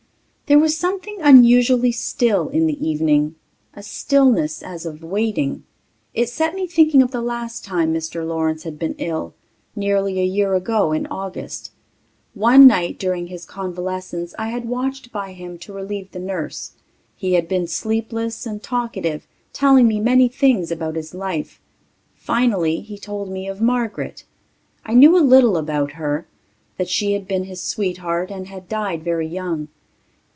There was something unusually still in the evening ... a stillness as of waiting. It set me thinking of the last time Mr. Lawrence had been ill ... nearly a year ago in August. One night during his convalescence I had watched by him to relieve the nurse. He had been sleepless and talkative, telling me many things about his life. Finally he told me of Margaret. I knew a little about her ... that she had been his sweetheart and had died very young.